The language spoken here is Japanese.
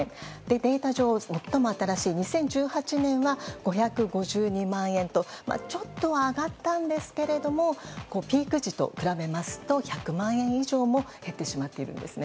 データ上、最も新しい２０１８年は５５２万円とちょっとは上がったんですがピーク時と比べますと１００万円以上も減ってしまっているんですね。